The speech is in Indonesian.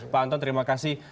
pak anton terima kasih